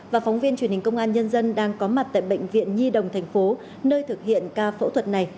và phóng viên truyền hình công an nhân dân đang có mặt tại bệnh viện nhi đồng tp nơi thực hiện ca phẫu thuật này